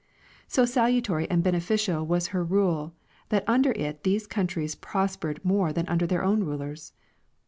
So salutary and beneficial was her rule that under it these countries prospered more than under their own rulers.